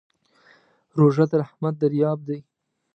روژه د رحمت دریاب دی.